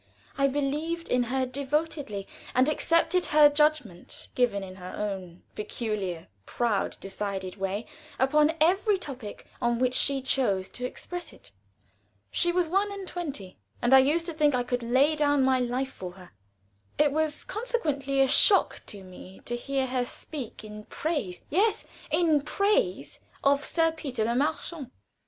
I believed in her devotedly, and accepted her judgment, given in her own peculiar proud, decided way, upon every topic on which she chose to express it. She was one and twenty, and I used to think I could lay down my life for her. It was consequently a shock to me to hear her speak in praise yes, in praise of Sir Peter Le Marchant.